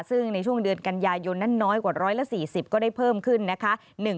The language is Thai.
ซึ่งในช่วงเดือนกันยายนนั้นน้อยกว่า๑๔๐ก็ได้เพิ่มขึ้นนะคะ